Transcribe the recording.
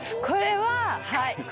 これははい。